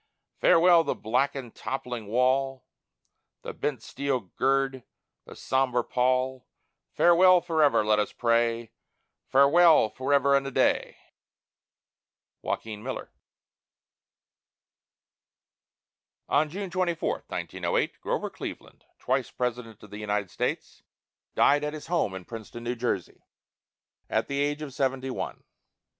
Farewell the blackened, toppling wall, The bent steel gird, the sombre pall Farewell forever, let us pray; Farewell, forever and a day! JOAQUIN MILLER. On June 24, 1908, Grover Cleveland, twice President of the United States, died at his home in Princeton, N. J., at the age of seventy one.